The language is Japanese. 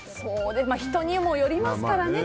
人にもよりますからね